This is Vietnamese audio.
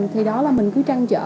thì đó là mình cứ trăng trở